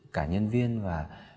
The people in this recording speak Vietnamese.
cả nhân viên và